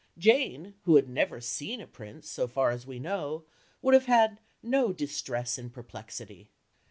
Jane, who had never seen a prince, so far as we know, would have had no "distress and perplexity."